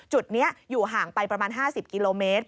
จุดนี้อยู่ห่างไปประมาณ๕๐กิโลเมตร